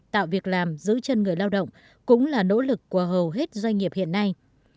tạo việc làm giữ chân người lao động cũng là nỗ lực của hầu hết doanh nghiệp hiện nay